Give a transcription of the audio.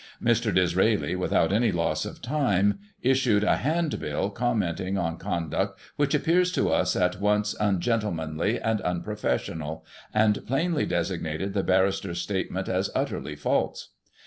Mr. Disraeli, without any loss of time, issued a handbill commenting on conduct which appears to us at once ungentlemanly and un professional, and plainly designated the barrister's statements as * utterly false.'